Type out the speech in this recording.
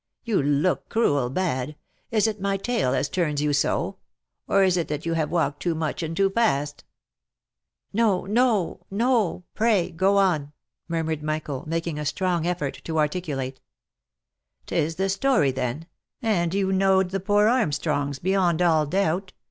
" You look cruel bad ! Is it my tale as turns you so ? or is it that you have walked too much and too fast V " No, no, no ! Pray go on !" murmured Michael, making a strong effort to articulate. " 'Tis the story, then ? and you knowed the poor Armstrongs, be yond all doubt